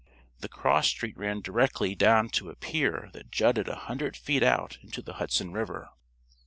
The cross street ran directly down to a pier that jutted a hundred feet out into the Hudson River.